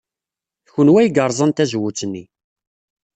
D kenwi ay yerẓan tazewwut-nni.